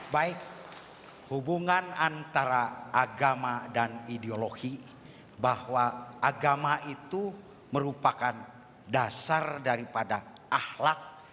baik hubungan antara agama dan ideologi bahwa agama itu merupakan dasar daripada ahlak